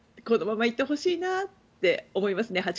このままいってほしいなと思いますね。